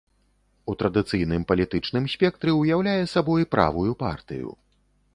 У традыцыйным палітычным спектры ўяўляе сабой правую партыю.